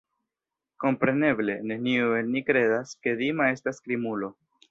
Kompreneble, neniu el ni kredas, ke Dima estas krimulo.